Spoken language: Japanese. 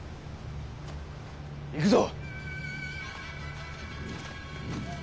行くぞ！